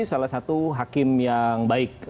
salah satu hakim yang baik